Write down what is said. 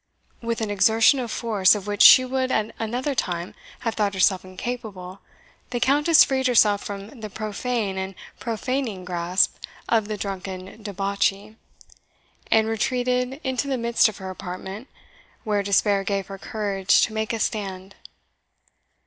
With an exertion of force, of which she would at another time have thought herself incapable, the Countess freed herself from the profane and profaning grasp of the drunken debauchee, and retreated into the midst of her apartment where despair gave her courage to make a stand.